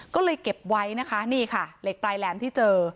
ก็เลยเก็บไว้นะคะนี่ค่ะเหล็กปลายแหลมที่เจอ